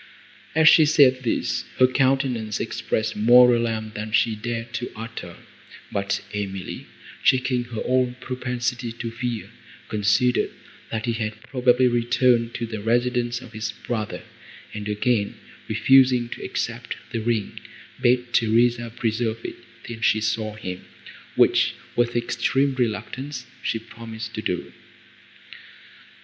As she said this, her countenance expressed more alarm, than she dared to utter; but Emily, checking her own propensity to fear, considered, that he had probably returned to the residence of his brother, and, again refusing to accept the ring, bade Theresa preserve it, till she saw him, which, with extreme reluctance, she promised to do.